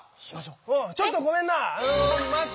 ちょっとごめんな！